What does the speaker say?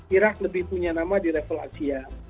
irak lebih punya nama di level asia